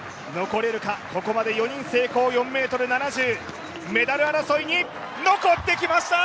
ここまで４人成功、４ｍ７０メダル争いに残ってきました！